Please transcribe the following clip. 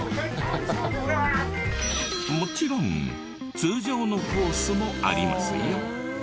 もちろん通常のコースもありますよ。